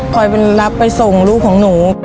คอยเป็นรับไปส่งลูกของหนู